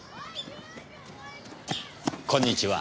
こんにちは。